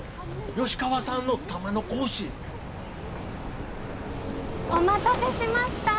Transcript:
吉川さんの玉の輿お待たせしました